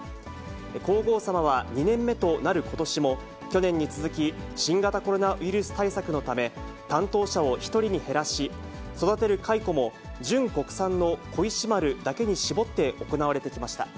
皇后さまは２年目となることしも、去年に続き新型コロナウイルス対策のため、担当者を１人に減らし、育てる蚕も純国産の小石丸だけに絞って行われてきました。